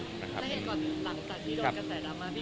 ถ้าเห็นก่อนหลังจากที่โดดกระแสดำมาพี่กันก็มีการไปซื้อเสื้ออะไรอย่างนี้